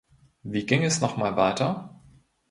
Wie ging es noch mal weiter?